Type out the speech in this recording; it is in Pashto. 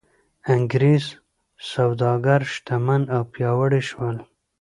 انګرېز سوداګر شتمن او پیاوړي شول.